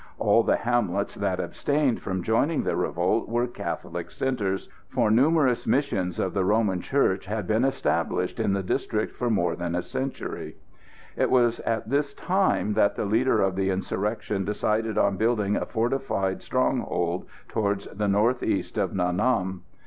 All the hamlets that abstained from joining the revolt were Catholic centres, for numerous missions of the Roman Church had been established in this district for more than a century. It was at this time that the leader of the insurrection decided on building a fortified stronghold towards the north east of Nha Nam.